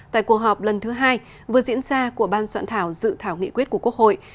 tại cuộc họp lần thứ hai vừa diễn ra của ban soạn thảo dự thảo nghị quyết của quốc hội